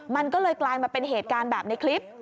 มันก็เลยกลายมาเป็นเหตุการณ์แบบในคลิป